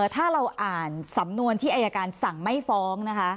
ถ้าเราอ่านสำนวนที่อายการสั่งไม่ฟ้องนะคะ